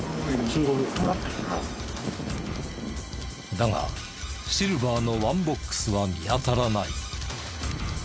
だがシルバーのワンボックスは見当たらない。